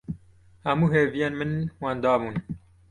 Hemû hêviyên min wenda bûn.